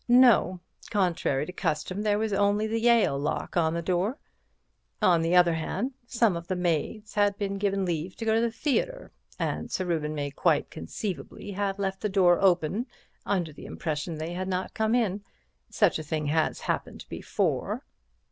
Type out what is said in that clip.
No; contrary to custom, there was only the Yale lock on the door. On the other hand, some of the maids had been given leave to go to the theatre, and Sir Reuben may quite conceivably have left the door open under the impression they had not come in. Such a thing has happened before."